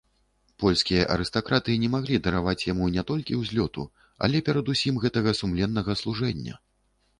Польскія арыстакраты не маглі дараваць яму не толькі ўзлёту, але перадусім гэтага сумленнага служэння.